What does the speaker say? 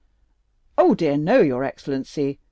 "Oh, dear, no, your excellency!